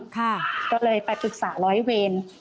เราก็ไปตรวจตรรค